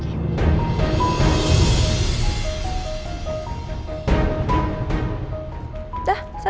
takutnya dikasih racun lagi